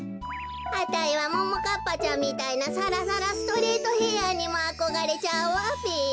あたいはももかっぱちゃんみたいなさらさらストレートヘアにもあこがれちゃうわべ。